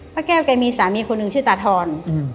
พระแก้วแกมีสามีคนหนึ่งชื่อตาทอน